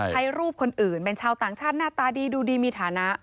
ใช้รูปคนอื่นเป็นชาวต่างชาติหน้าตาดีดูดีมีฐานะ